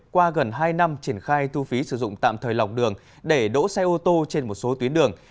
qua gần hai năm triển khai thu phí sử dụng tạm thời lọc đường để đỗ xe ô tô trên một số tuyến đường